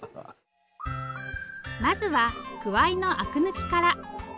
まずはくわいのあく抜きから。